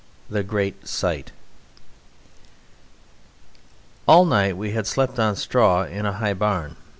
The Great Sight All night we had slept on straw in a high barn.